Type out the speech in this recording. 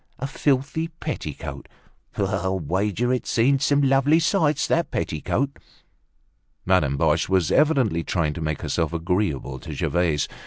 A filthy petticoat. I'll wager it's seen some lovely sights, that petticoat!" Madame Boche was evidently trying to make herself agreeable to Gervaise.